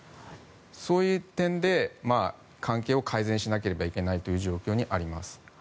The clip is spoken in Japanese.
そういう点で関係を改善しなければいけない状況にあります。